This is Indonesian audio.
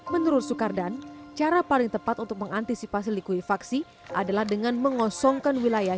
menurut soekardan cara paling tepat untuk mengantisipasi likuifaksi adalah dengan mengosongkan wilayah